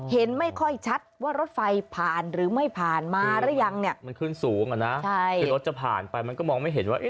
เห็นไม่ค่อยชัดว่ารถไฟผ่านรึไม่ผ่านมารึยัง